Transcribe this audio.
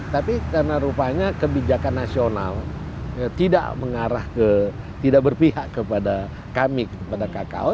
tapi karena rupanya kebijakan nasional tidak berpihak kepada kami kepada kku